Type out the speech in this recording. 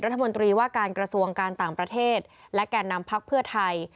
รัฐมนตรีว่าการกระทรวงการต่างประเทศและแก่นำพักเพื่อไทย